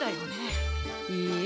いいえ。